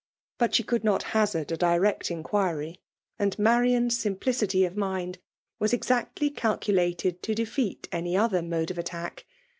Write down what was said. But she could noi| haiard ^ direct inquiry; and Marian's siiaplicily . of mind was exactly calculated to defiHii any other mode of attack.